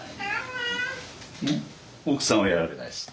奥さんはやられないです。